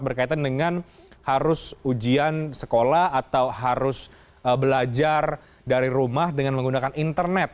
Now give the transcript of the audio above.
berkaitan dengan harus ujian sekolah atau harus belajar dari rumah dengan menggunakan internet